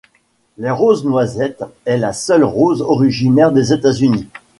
La rose Noisette est la seule rose originaire des États-Unis.